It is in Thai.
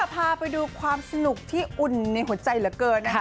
พาไปดูความสนุกที่อุ่นในหัวใจเหลือเกินนะคะ